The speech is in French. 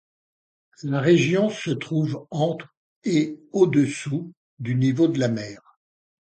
La région se trouve entre et au-dessous du niveau de la mer.